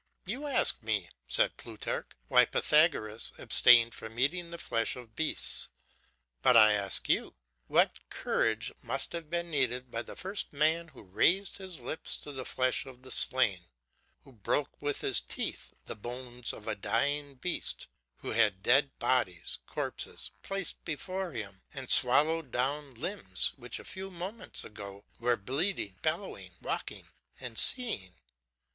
"You ask me," said Plutarch, "why Pythagoras abstained from eating the flesh of beasts, but I ask you, what courage must have been needed by the first man who raised to his lips the flesh of the slain, who broke with his teeth the bones of a dying beast, who had dead bodies, corpses, placed before him and swallowed down limbs which a few moments ago were bleating, bellowing, walking, and seeing?